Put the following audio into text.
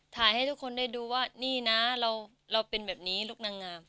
ให้ทุกคนได้ดูว่านี่นะเราเป็นแบบนี้ลูกนางงาม